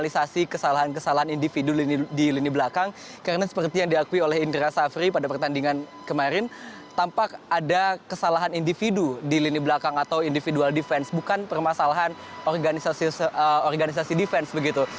kesalahan kesalahan individu di lini belakang karena seperti yang diakui oleh indra safri pada pertandingan kemarin tampak ada kesalahan individu di lini belakang atau individual defense bukan permasalahan organisasi defense begitu